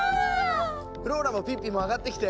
フローラもピッピも上がってきて。